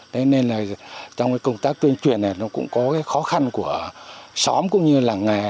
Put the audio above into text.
thế nên là trong cái công tác tuyên truyền này nó cũng có cái khó khăn của xóm cũng như làng nghề